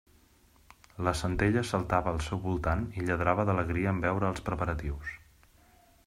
La Centella saltava al seu voltant i lladrava d'alegria en veure els preparatius.